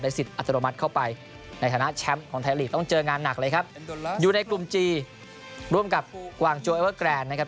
สิทธิ์อัตโนมัติเข้าไปในฐานะแชมป์ของไทยลีกต้องเจองานหนักเลยครับอยู่ในกลุ่มจีนร่วมกับกวางโจเอเวอร์แกรนด์นะครับ